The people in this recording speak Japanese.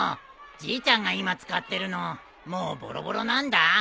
じいちゃんが今使ってるのもうぼろぼろなんだ。